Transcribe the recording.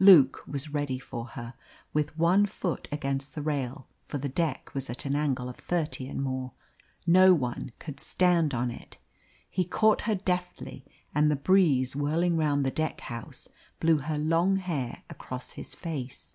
Luke was ready for her, with one foot against the rail for the deck was at an angle of thirty and more; no one could stand on it. He caught her deftly, and the breeze whirling round the deck house blew her long hair across his face.